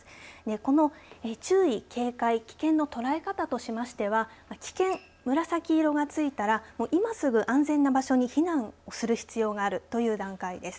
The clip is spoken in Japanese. この注意、警戒、危険の捉え方としましては危険、紫色がついたら今すぐ安全な場所に避難をする必要があるという段階です。